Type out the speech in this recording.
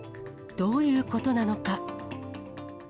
どういうことなのか。